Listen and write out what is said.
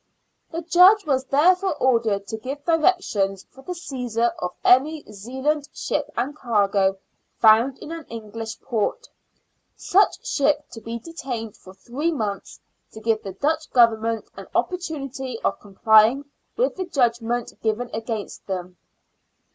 The Judge was therefore ordered to give directions for the seizure of any Zealand ship and cargo found in an English port — such ship to be detained for three months to give the Dutch Government an opportunity of complying with the judgment given against them.